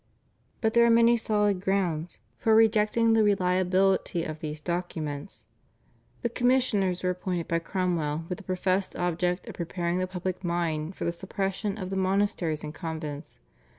But there are many solid grounds for rejecting the reliability of these documents. The commissioners were appointed by Cromwell with the professed object of preparing the public mind for the suppression of the monasteries and convents.